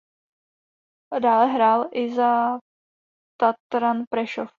Dále hrál i za Tatran Prešov.